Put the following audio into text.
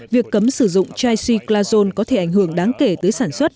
việc cấm sử dụng tricyclazone có thể ảnh hưởng đáng kể tới sản xuất